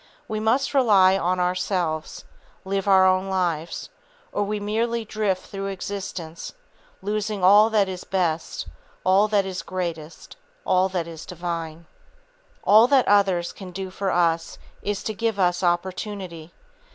We must rely on ourselves, live our own lives, or we merely drift through existence, losing all that is best, all that is greatest, all that is divine. All that others can do for us is to give us opportunity.